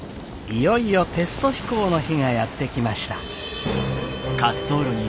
いよいよテスト飛行の日がやって来ました。